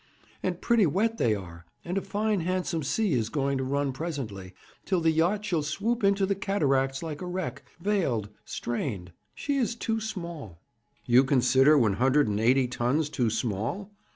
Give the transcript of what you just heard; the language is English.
'And pretty wet they are; and a fine handsome sea is going to run presently, till the yacht shall swoop into the cataracts like a wreck veiled strained! She is too small.' 'You consider one hundred and eighty tons too small?